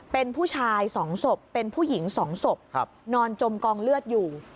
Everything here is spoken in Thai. เป็นผู้ชาย๒ศพเป็นผู้หญิง๒ศพนอนจมกองเลือดอยู่